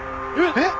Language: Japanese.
えっ！